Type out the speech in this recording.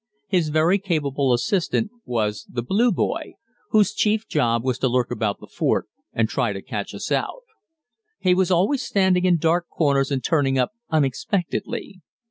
His very capable assistant was the "Blue Boy," whose chief job was to lurk about the fort and try and catch us out. He was always standing in dark corners and turning up unexpectedly.